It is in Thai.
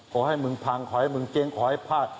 ขอให้มึงพังขอให้มึงเจ๊งขอให้พลาด